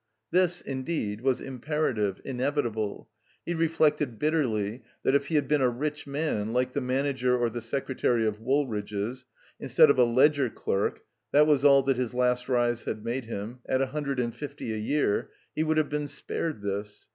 "This," indeed, was impera tive, inevitable. He reflected bitterly that, if he had been a rich man, like the manager or the secre tary of Woolridge's, instead of a ledger clerk (that was all that his last rise had made him) at a hundred and fifty a year, he would have been spared "this."